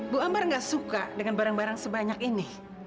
bu ambar enggak suka dengan barang barang sebanyak ini